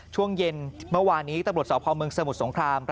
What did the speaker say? ช่วงเย็นเมื่อวานนี้ตำรวจสพเมืองสมุทรสงคราม